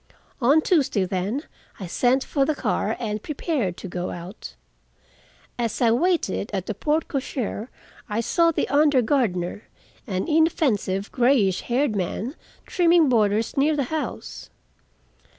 On Tuesday, then, I sent for the car, and prepared to go out. As I waited at the porte cochere I saw the under gardener, an inoffensive, grayish haired man, trimming borders near the house.